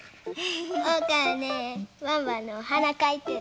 おうかはねワンワンのおはなかいてる。